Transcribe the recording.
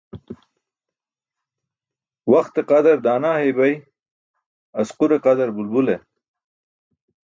Waxte qadar daana hey bay asqur qadar bulbule